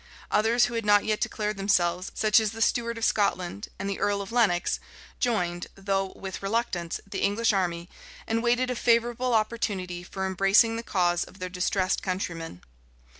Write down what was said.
[*] Others, who had not yet declared themselves, such as the steward of Scotland and the earl of Lenox, joined, though with reluctance, the English army, and waited a favorable opportunity for embracing the cause of their distressed countrymen.